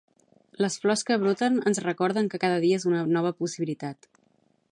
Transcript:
Les flors que broten ens recorden que cada dia és una nova possibilitat.